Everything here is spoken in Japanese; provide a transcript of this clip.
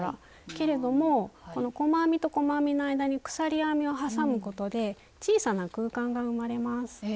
けれどもこの細編みと細編みの間に鎖編みを挟むことで小さな空間が生まれます。